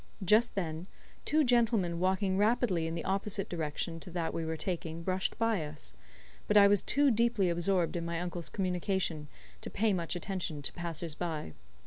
Just then, two gentlemen walking rapidly in the opposite direction to that we were taking brushed by us; but I was too deeply absorbed in my uncle's communication to pay much attention to passers by.